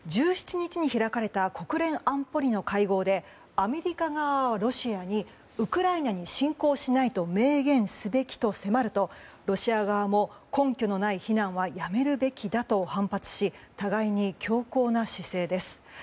１７日に開かれた国連安保理の会合でアメリカ側はロシアにウクライナに侵攻しないと明言すべきと迫るとロシア側も根拠のない非難はやめるべきだと反発し、互いに強硬な姿勢です。